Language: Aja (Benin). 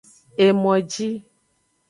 Emoji.